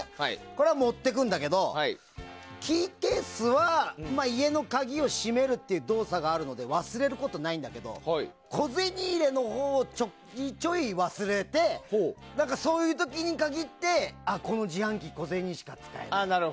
これは持っていくんだけどキーケースは家の鍵を閉めるという動作があるので忘れることないんだけど小銭入れのほうをちょいちょい忘れてそういう時に限ってあっ、この自販機小銭しか使えない。